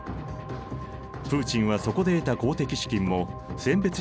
プーチンはそこで得た公的資金も選別した企業に投入。